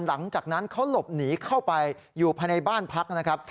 หลังจากนั้นเขาหลบหนีเข้าไปอยู่ภายในบ้านพักนะครับ